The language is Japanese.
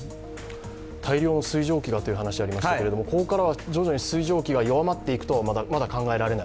大量の水蒸気がという話がありましたけれども、ここからは徐々に水蒸気が弱まっていくとはまだ考えられない？